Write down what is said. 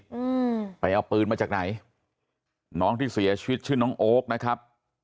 อืมไปเอาปืนมาจากไหนน้องที่เสียชีวิตชื่อน้องโอ๊คนะครับ